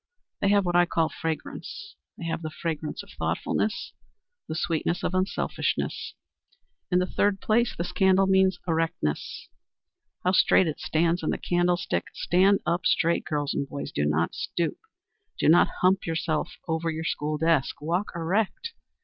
They have what I call fragrance. They have the fragrance of thoughtfulness, the sweetness of unselfishness. In the third place this candle means Erectness. How straight it stands in the candlestick! Stand up straight, girls and boys. Do not stoop. Do not hump yourself over your school desk. Walk erect.